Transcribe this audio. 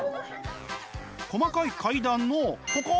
細かい階段のここ！